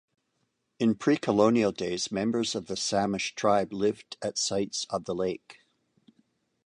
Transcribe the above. In pre-Colonial days, members of the Samish tribe lived at sites on the lake.